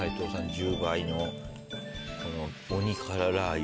１０倍のこの鬼辛ラー油。